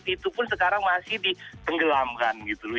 itu pun sekarang masih ditenggelamkan gitu loh